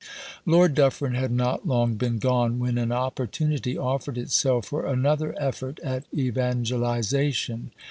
Lord Dufferin had not long been gone when an opportunity offered itself for another effort at evangelization.